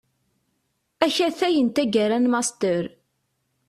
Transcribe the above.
Akatay n taggara n Master.